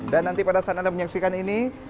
dan nanti pada saat anda menyaksikan ini